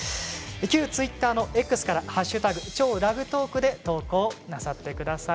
旧ツイッターのＸから「＃超ラグトーク」で投稿なさってください。